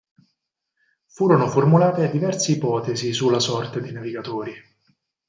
Furono formulate diverse ipotesi sulla sorte dei navigatori.